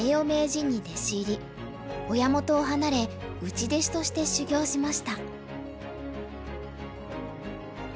親元を離れ内弟子として修業しました。